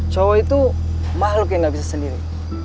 cowok itu makhluk yang gak bisa sendiri